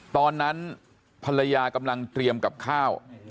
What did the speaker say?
ตอนนั้นภรรยากำลังเตรียมกับข้าว